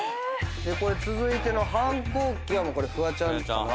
続いての反抗期はこれフワちゃんかな。